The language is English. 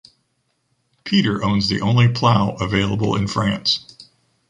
Peter owns the only plough available in France.